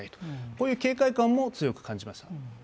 こういう警戒感も強く感じました。